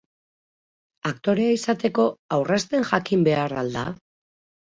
Aktorea izateko, aurrezten jakin behar al da?